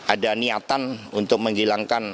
ada niatan untuk menghilangkan